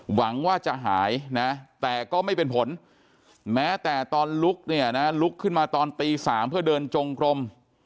หวังว่าจะหายนะแต่ก็ไม่เป็นผลแม้แต่ตอนลุกเนี่ยนะลุกขึ้นมาตอนตี๓เพื่อเดินจงกลม